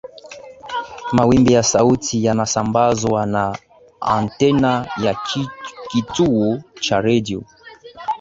mawimbi ya sauti yanasambazwa na antena ya kituo cha redio